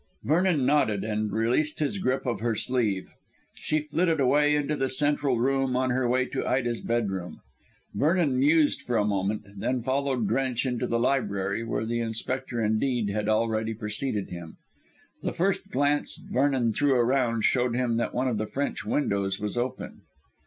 Vernon nodded and released his grip of her sleeve. She flitted away into the central room on her way to Ida's bedroom. Vernon mused for a moment, then followed Drench into the library, where the Inspector, indeed, had already preceded him. The first glance Vernon threw around showed him that one of the French windows was open.